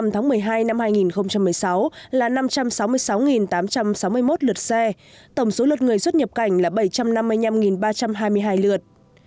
một mươi tháng một mươi hai năm hai nghìn một mươi sáu là năm trăm sáu mươi sáu tám trăm sáu mươi một lượt xe tổng số lượt người xuất nhập cảnh là bảy trăm năm mươi năm ba trăm hai mươi hai lượt